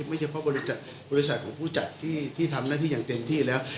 ไม่เฉพาะบริษัทของผู้จัดที่ทำหน้าที่อย่างเต็มที่แล้ว